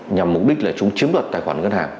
nhằm mục đích là chúng chiếm đoạt tài khoản ngân hàng